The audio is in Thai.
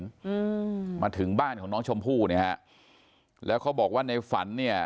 อืมมาถึงบ้านของน้องชมพู่เนี่ยฮะแล้วเขาบอกว่าในฝันเนี่ย